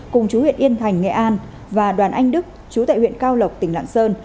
cùng chú huyện yên thành nghệ an và đoàn anh đức chú tại huyện cao lộc tỉnh lạng sơn